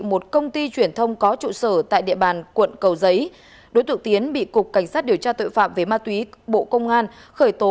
một công ty truyền thông có trụ sở tại địa bàn quận cầu giấy đối tượng tiến bị cục cảnh sát điều tra tội phạm về ma túy bộ công an khởi tố